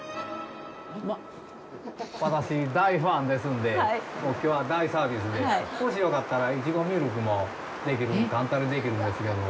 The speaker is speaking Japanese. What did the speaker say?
私、大ファンですんできょうは大サービスでもしよかったらイチゴミルクもできる簡単にできるんですけども。